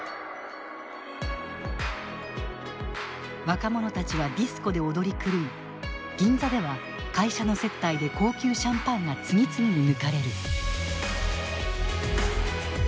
若者たちはディスコで踊り狂い銀座では会社の接待で高級シャンパンが次々に抜かれる。